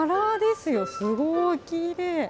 すごいきれい。